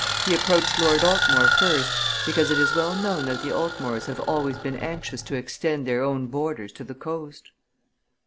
He approached Lord Altmore first because it is well known that the Altmores have always been anxious to extend their own borders to the coast."